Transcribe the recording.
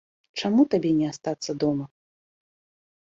Чаму табе не астацца дома?